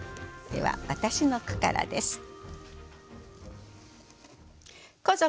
では私の句からです。